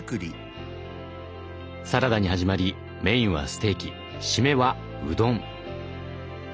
サラダに始まりメインはステーキ締めはうどん。